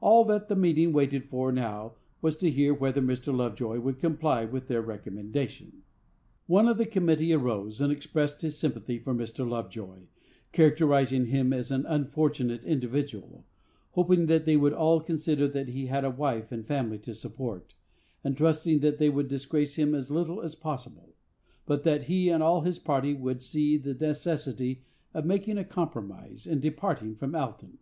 All that the meeting waited for now was, to hear whether Mr. Lovejoy would comply with their recommendation. One of the committee arose, and expressed his sympathy for Mr. Lovejoy, characterizing him as an unfortunate individual, hoping that they would all consider that he had a wife and family to support, and trusting that they would disgrace him as little as possible; but that he and all his party would see the necessity of making a compromise, and departing from Alton.